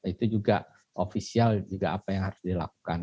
itu juga ofisial juga apa yang harus dilakukan